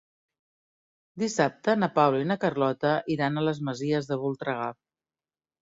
Dissabte na Paula i na Carlota iran a les Masies de Voltregà.